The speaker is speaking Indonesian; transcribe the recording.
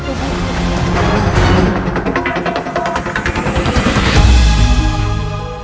tidak menjalar di tubuhku